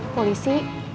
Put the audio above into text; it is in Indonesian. kamu mau ngelindungin saeb